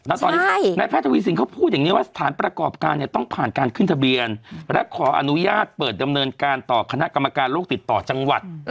แล้วตอนนี้นายแพทย์ทวีสินเขาพูดอย่างนี้ว่าสถานประกอบการเนี่ยต้องผ่านการขึ้นทะเบียนและขออนุญาตเปิดดำเนินการต่อคณะกรรมการโลกติดต่อจังหวัด